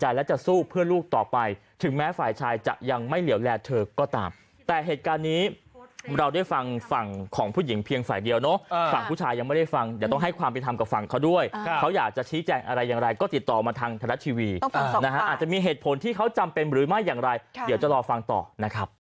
แล้วจะสู้เพื่อลูกต่อไปถึงแม้ฝ่ายชายจะยังไม่เหลวแลเธอก็ตามแต่เหตุการณ์นี้เราได้ฟังฝั่งของผู้หญิงเพียงฝ่ายเดียวเนอะฝั่งผู้ชายยังไม่ได้ฟังเดี๋ยวต้องให้ความเป็นธรรมกับฝั่งเขาด้วยเขาอยากจะชี้แจงอะไรอย่างไรก็ติดต่อมาทางไทยรัฐทีวีนะฮะอาจจะมีเหตุผลที่เขาจำเป็นหรือไม่อย่างไรเดี๋ยวจะรอฟังต่อนะครับ